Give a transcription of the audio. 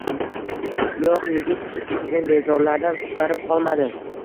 Yo‘q, yigit qizni bezorilardan qutqarib qolmadi